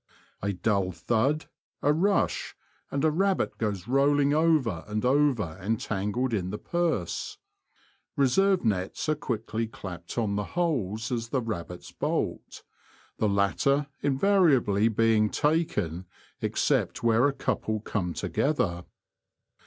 A dull thud, a rush, and a rabbit goes rolling over and over entangled in the purse. Reserve nets are quickly clapped on the holes as the rabbits bolt, the latter invari ably being taken except where a couple come together.